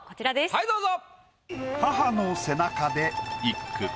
はいどうぞ。